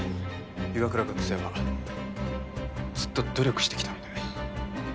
岩倉学生はずっと努力してきたので。